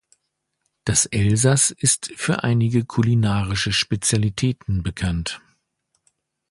Das Elsass ist für einige kulinarische Spezialitäten bekannt.